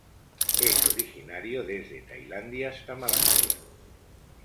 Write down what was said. Es originario desde Tailandia hasta Malasia.